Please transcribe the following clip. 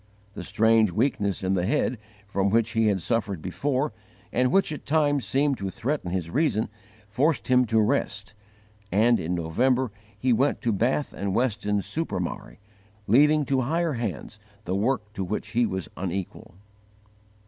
The strange weakness in the head, from which he had suffered before and which at times seemed to threaten his reason, forced him to rest; and in November he went to Bath and Weston super Mare, leaving to higher Hands the work to which he was unequal.